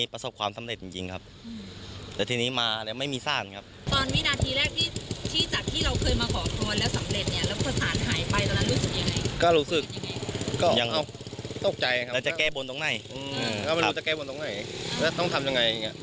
เราไม่รู้จะแก้บนตรงไหนและต้องทำอย่างไร